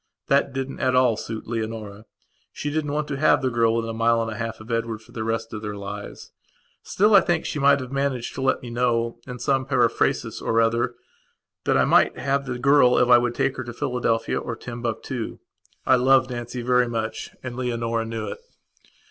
That didn't at all suit Leonora. She didn't want to have the girl within a mile and a half of Edward for the rest of their lives. Still, I think she might have managed to let me know, in some periphrasis or other, that I might have the girl if I would take her to Philadelphia or Timbuctoo. I loved Nancy very muchand Leonora knew it.